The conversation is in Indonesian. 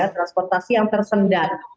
transportasi yang tersendat